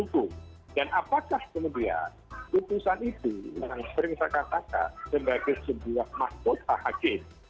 dan apakah kemudian putusan itu yang berisikasaka sebagai sebuah mahkota hakim